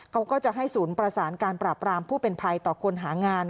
เขาก็จะให้ศูนย์ประสานการปราบรามผู้เป็นภัยต่อคนหางาน